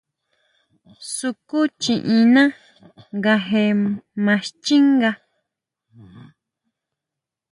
Sukúchiʼína nga je maa xchínga.